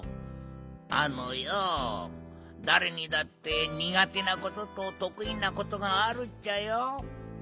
あのよだれにだってにがてなことととくいなことがあるっちゃよ。